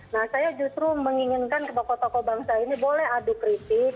nah saya justru menginginkan tokoh tokoh bangsa ini boleh adu kritik